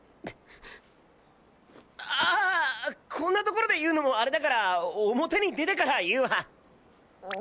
ああこんな所で言うのもあれだから表に出てから言うわ！